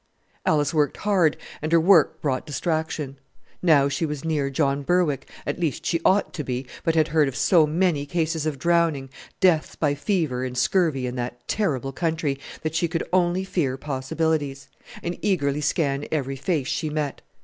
Alice worked hard, and her work brought distraction. Now she was near John Berwick at least, she ought to be, but had heard of so many cases of drowning, deaths by fever and scurvy in that terrible country, that she could only fear possibilities, and eagerly scan every face she met.